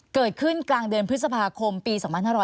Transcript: เกิดขึ้นกลางเดือนพฤษภาคมปี๒๕๕๙